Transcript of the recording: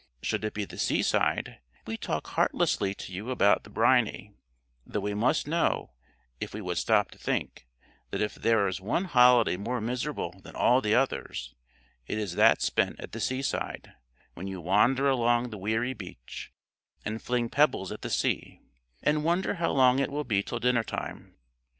Should it be the seaside, we talk heartlessly to you about the "briny," though we must know, if we would stop to think, that if there is one holiday more miserable than all the others, it is that spent at the seaside, when you wander along the weary beach and fling pebbles at the sea, and wonder how long it will be till dinner time.